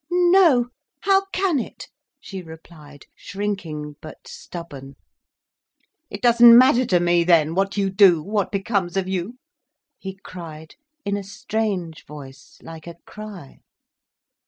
"No, how can it?" she replied, shrinking but stubborn. "It doesn't matter to me then, what you do—what becomes of you?" he cried, in a strange voice like a cry.